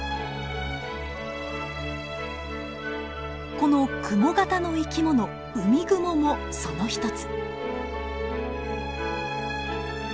このクモ型の生き物ウミグモもその一つ。